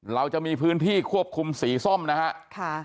เราจะมีพื้นที่ควบคุมสีส้มนะครับ